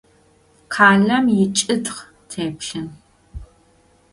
Къалэм ичӏытх теплъын.